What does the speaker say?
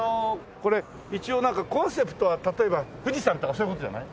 これ一応なんかコンセプトは例えば富士山とかそういう事じゃない？